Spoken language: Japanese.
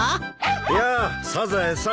やあサザエさん。